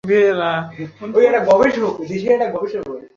তুমি ঠিক আছো, বেবি।